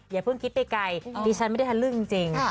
อย่าเพิ่งคิดไปไกลดิฉันไม่ได้ทันลึ่งจริง